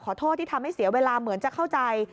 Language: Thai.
ขอโทษที่ทำให้เสียเวลาเหมือนจะเข้าใจ